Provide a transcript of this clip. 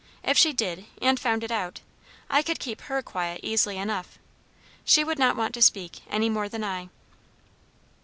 If she did, and found it out, I could keep her quiet easily enough. She would not want to speak, any more than I."